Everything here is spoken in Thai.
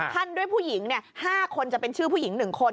ท่านด้วยผู้หญิง๕คนจะเป็นชื่อผู้หญิง๑คน